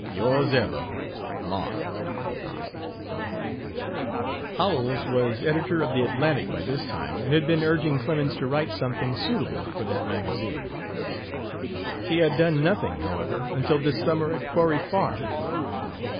Ys Ever MARK Howells was editor of the Atlantic by this time, and had been urging Clemens to write something suitable for that magazine. He had done nothing, however, until this summer at Quarry Farm.